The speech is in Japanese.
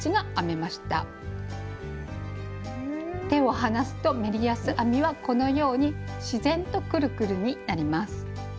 手を離すとメリヤス編みはこのように自然とくるくるになります。